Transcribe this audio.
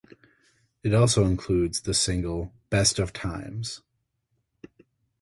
It also includes the single "Best of Times".